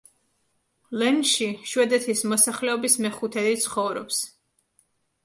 ლენში შვედეთის მოსახლეობის მეხუთედი ცხოვრობს.